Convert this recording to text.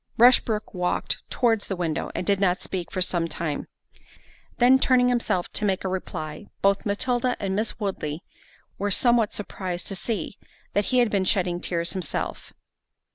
Rushbrook walked towards the window, and did not speak for some time—then turning himself to make a reply, both Matilda and Miss Woodley were somewhat surprised to see, that he had been shedding tears himself.